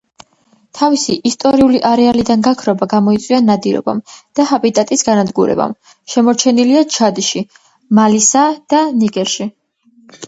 თავისი ისტორიული არეალიდან გაქრობა გამოიწვია ნადირობამ და ჰაბიტატის განადგურებამ; შემორჩენილია ჩადში, მალისა და ნიგერში.